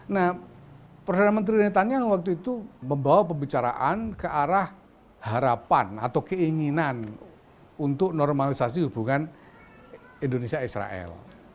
nah perdana menteri netanya waktu itu membawa pembicaraan ke arah harapan atau keinginan untuk normalisasi hubungan indonesia israel